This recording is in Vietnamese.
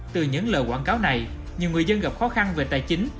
từ những lời quảng cáo này nhiều người dân gặp khó khăn về tài chính